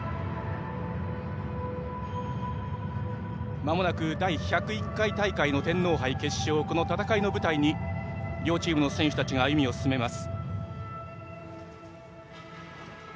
まもなく第１０１回大会の天皇杯決勝この戦いの舞台に両チームの選手たちが歩みを進めます。